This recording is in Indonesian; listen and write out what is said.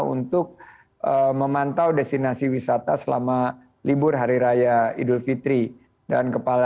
untuk memantau destinasi wisata selama libur hari raya idul fitri dan kepala